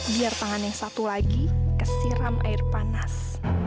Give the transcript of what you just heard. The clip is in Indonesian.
biar tangan yang satu lagi kesiram air panas